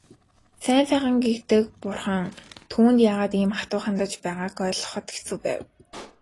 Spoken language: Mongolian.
Сайн сайхан гэгддэг бурхан түүнд яагаад ийм хатуу хандаж байгааг ойлгоход хэцүү байв.